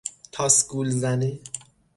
تاس گولزنه